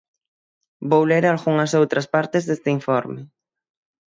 Vou ler algunhas outras partes deste informe.